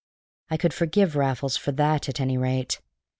I could forgive Raffles for that, at any rate!